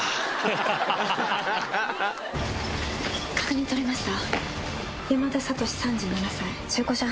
確認取れました。